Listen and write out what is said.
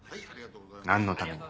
何のために？